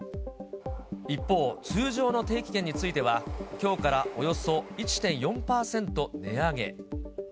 一方、通常の定期券については、きょうからおよそ１．４％値上げ。